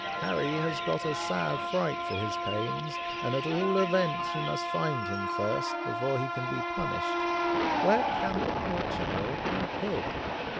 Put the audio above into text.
Harry has got a sad fright for his pains, and at all events you must find him first, before he can be punished. Where can the poor child be hid?"